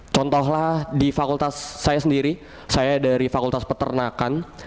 contohlah di fakultas saya sendiri saya dari fakultas peternakan